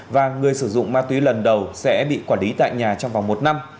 và người sử dụng ma túy lần đầu sẽ bị quản lý tại nhà trong vòng một năm